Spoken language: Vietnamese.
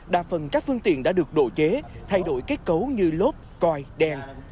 đa phần các phương tiện đã được độ chế thay đổi kết cấu như lốp coi đèn